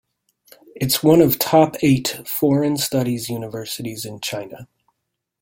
It's one of top eight foreign studies universities in China.